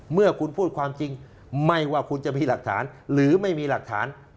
เมื่อคุณพูดความจริงไม่ว่าคุณจะมีหลักฐานหรือไม่มีหลักฐาน